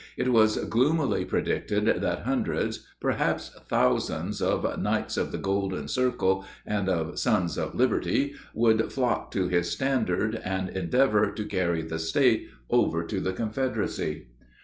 It was gloomily predicted that hundreds, perhaps thousands, of "Knights of the Golden Circle" and of "Sons of Liberty" would flock to his standard and endeavor to carry the State over to the Confederacy.